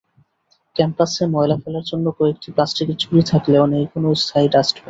ক্যাম্পাসে ময়লা ফেলার জন্য কয়েকটি প্লাস্টিকের ঝুড়ি থাকলেও নেই কোনো স্থায়ী ডাস্টবিন।